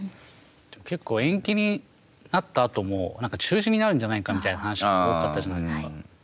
結構、延期になったあとも中止になるんじゃないかみたいな話が多かったじゃないですか。